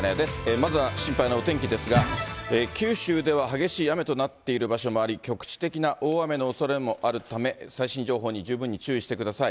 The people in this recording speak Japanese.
まずは心配なお天気ですが、九州では激しい雨となっている場所もあり、局地的な大雨のおそれもあるため、最新情報に十分に注意してください。